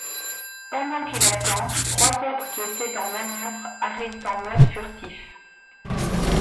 Pendant qu’il attend, trois autres qui étaient en manœuvre arrivent en mode furtif.